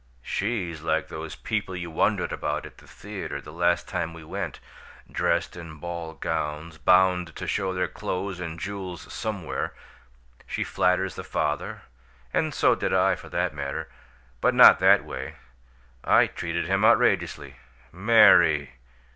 SHE'S like those people you wondered about at the theater, the last time we went dressed in ball gowns; bound to show their clothes and jewels SOMEwhere! She flatters the father, and so did I, for that matter but not that way. I treated him outrageously!" "Mary!"